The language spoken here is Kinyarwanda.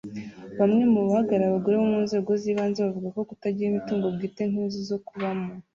Bamwe mu bahagarariye abagore mu nzego z’ibanze bavuga ko kutagira imitungo bwite nk’inzu zo kubamo